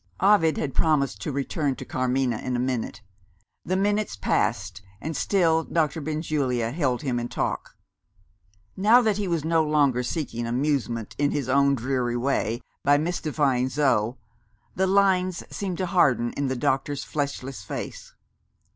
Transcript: Ovid had promised to return to Carmina in a minute. The minutes passed, and still Doctor Benjulia held him in talk. Now that he was no longer seeking amusement, in his own dreary way, by mystifying Zo, the lines seemed to harden in the doctor's fleshless face.